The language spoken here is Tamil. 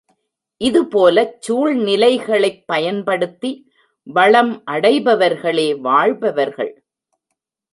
இதுபோலச் சூழ்நிலைகளைப் பயன்படுத்தி வளம் அடைபவர்களே வாழ்பவர்கள்.